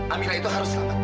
amira itu harus selamat